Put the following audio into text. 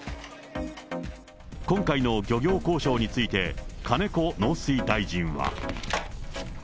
今回の漁業交渉について、金子農水大臣は。